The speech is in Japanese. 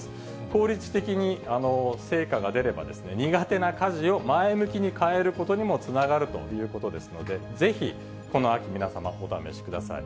効率的に成果が出れば、苦手な家事を前向きに変えることにもつながるということですので、ぜひ、この秋、皆様、お試しください。